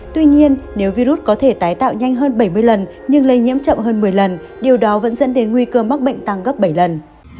tuy nhiên nếu virus có thể tái tạo nhanh hơn bảy mươi lần nhưng lây nhiễm chậm hơn một mươi lần điều đó vẫn dẫn đến nguy cơ mắc bệnh tăng gấp bảy lần